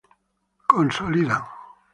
Consolidan